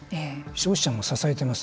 消費者も支えています。